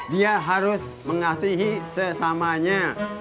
dia harus mengasihi sesamanya